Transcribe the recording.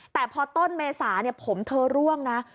แต่พอต้นเมษาผมเธอร่วงนะ